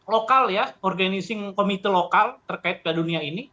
lokal ya organizing committee lokal terkait ke dunia ini